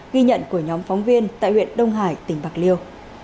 ghi nhận của nhóm phóng viên tại huyện đông hải tỉnh bạc liêu